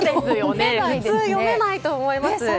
普通読めないと思います。